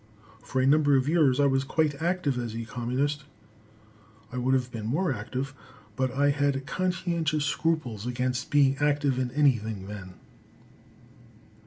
For a number of years I was quite active as a Communist. I would have been more active, but I had conscientious scruples against being active in anything then.